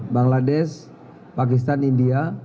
bangladesh pakistan india